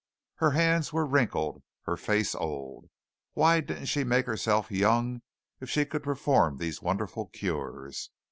Her hands were wrinkled, her face old. Why didn't she make herself young if she could perform these wonderful cures?